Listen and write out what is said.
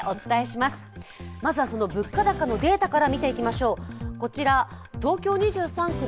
まずは、物価高のデータから見ていきましょう。